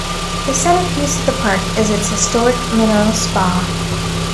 The centerpiece of the Park is its historic mineral spa.